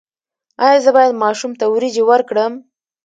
ایا زه باید ماشوم ته وریجې ورکړم؟